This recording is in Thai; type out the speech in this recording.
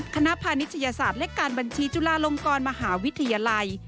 คณะพานิชยศาสตร์และการบัญชีจุฬาลงกรมหาวิทยาลัย